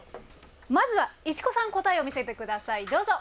まずは市古さん答えを見せてくださいどうぞ。